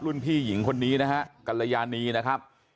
พี่หญิงคนนี้นะฮะกัลยานีนะครับ